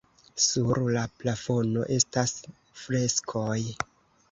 Sur la plafono estas freskoj.